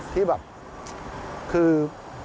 ที่แบบคือ